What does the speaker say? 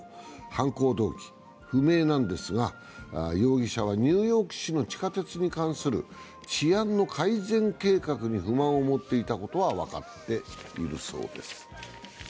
犯行動機は不明なんですが、容疑者はニューヨーク市の地下鉄に関する治安の改善計画に不満を持っていたことが分かっているそうです。